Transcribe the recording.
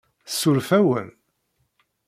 Tsuref-awen?